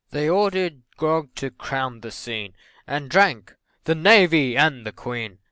They ordered grog to crown the scene, And drank "The Navy and the Queen!"